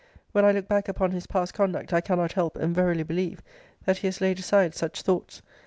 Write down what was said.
When I look back upon his past conduct, I cannot help, and verily believe, that he has laid aside such thoughts.